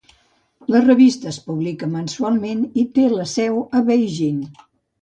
La revista es publica mensualment i té la seu a Beijing.